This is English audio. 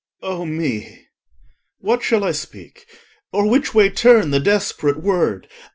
O me! What shall I speak, or which way turn The desperate word?